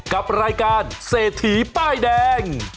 กับรายการเศรษฐีป้ายแดง